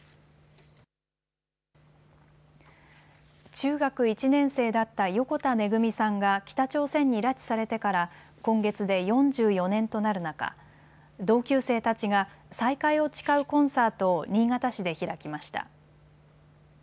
中学１年生だった横田めぐみさんが北朝鮮に拉致されてから今月で４４年となる中、同級生たちが再会を誓うコンサートを新潟市で開きました。